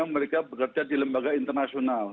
mereka bekerja di lembaga internasional